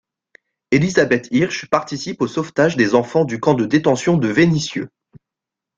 Elisabeth Hirsch participe au sauvetage des enfants du camp de détention de Vénissieux.